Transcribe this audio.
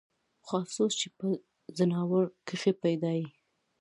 خو افسوس چې پۀ ځناورو کښې پېدا ئې